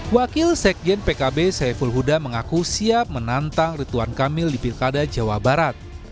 wakil sekjen pkb saiful huda mengaku siap menantang rituan kamil di pilkada jawa barat